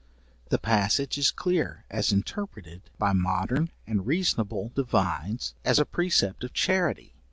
The passage is clear, as interpreted by modern and reasonable divines as a precept of charity.